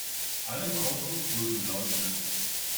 Alle im Auto grölen laut mit.